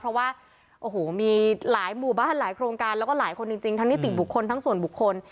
เพราะว่าโอ้โหมีหลายหมู่บ้านหลายโครงการแล้วก็หลายคนจริงทั้งนิติบุคคลทั้งส่วนบุคคล